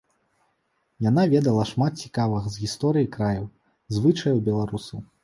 Яна ведала шмат цікавага з гісторыі краю, звычаяў беларусаў.